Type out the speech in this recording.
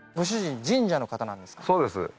そうです。